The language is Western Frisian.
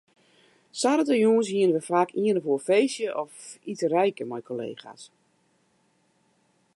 Saterdeitejûns hiene we faak ien of oar feestje of iterijke mei kollega's.